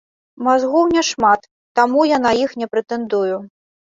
Мазгоў няшмат, таму я на іх не прэтэндую.